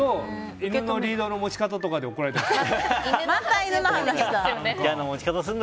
犬のリードの持ち方とかで怒られたりする。